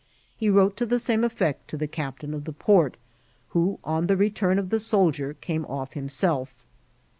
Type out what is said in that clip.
He wrote to the same effect to the captain of the port, who, on the return of the soldier, came off himself.